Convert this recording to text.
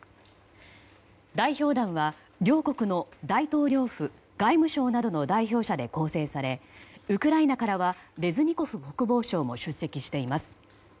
代表団は両国の大統領府、外務省などの代表者で構成されウクライナからはレズニコフ国防相も出席しています。